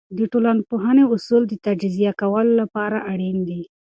د ټولنپوهنې اصول د تجزیه کولو لپاره اړین دي.